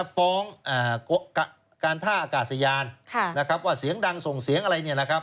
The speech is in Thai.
ฟ้องการท่าอากาศยานว่าเสียงดังส่งเสียงอะไร